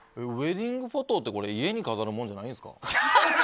ウェディングフォトって家に飾るものじゃないんですか？